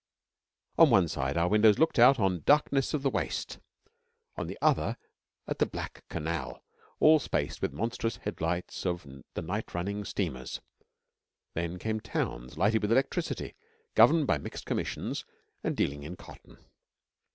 On one side our windows looked out on darkness of the waste; on the other at the black Canal, all spaced with monstrous headlights of the night running steamers. Then came towns, lighted with electricity, governed by mixed commissions, and dealing in cotton.